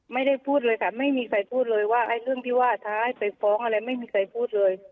ไม่ได้พูดเลยค่ะไม่มีใครพูดเลยว่าเรื่องที่ว่าท้าให้ไปฟ้องอะไรไม่มีใครพูดเลย